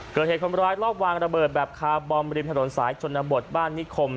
เกิดเหตุคนร้ายรอบวางระเบิดแบบคาร์บอมริมถนนสายชนบทบ้านนิคม